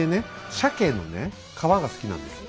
シャケの皮が好きなんですよ。